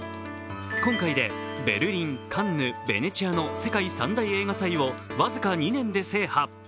今回でベルリン・カンヌ・ベネチアの世界３大映画祭を僅か２年で制覇。